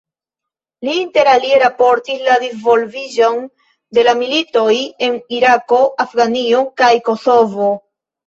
Li interalie raportis la disvolviĝon de la militoj en Irako, Afganio kaj Kosovo.